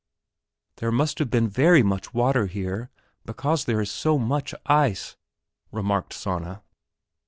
"There must have been very much water here, because there is so much ice," remarked Sanna.